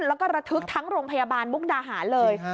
แล้วก็ระทึกทั้งโรงพยาบาลมุกดาหารเลย